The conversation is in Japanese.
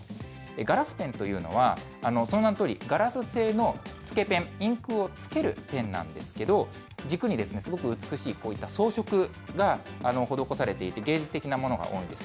ガラスペンというのは、その名のとおり、ガラス製のつけペン、インクをつけるペンなんですけど、軸にすごく美しい、こういった装飾が施されていて、芸術的なものが多いんです。